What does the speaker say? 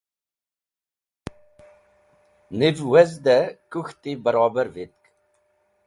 Niv wezde kũk̃hti barobar vitk.